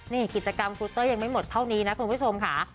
นี่กิจกรรมครูเต้ยยังไม่หมดเท่านี้นะคุณผู้ชมค่ะ